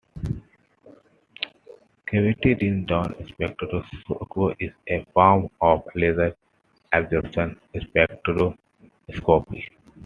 Cavity ring down spectroscopy is a form of laser absorption spectroscopy.